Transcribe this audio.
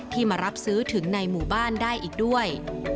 มารับซื้อถึงในหมู่บ้านได้อีกด้วย